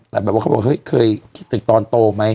แต่เขาบอกว่าเคยคิดถึงตอนโตไหม